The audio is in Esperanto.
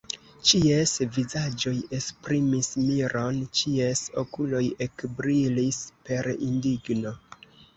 Ĉies vizaĝoj esprimis miron, ĉies okuloj ekbrilis per indigno.